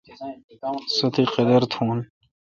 سو تی قادر تھون۔